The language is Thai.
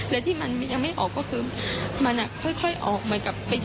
แล้วที่มันยังไม่ออกก็คือมันอ่ะค่อยค่อยออกเหมือนกับ